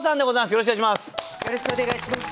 よろしくお願いします。